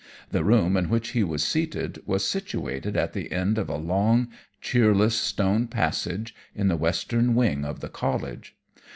The room in which he was seated was situated at the end of a long, cheerless, stone passage in the western wing of the College.